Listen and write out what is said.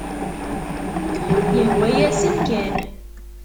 Yehwa-yasen kan.